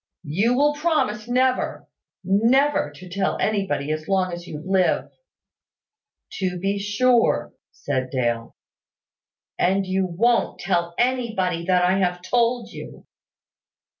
You will promise never never to tell anybody as long as you live." "To be sure," said Dale. "And you won't tell anybody that I have told you."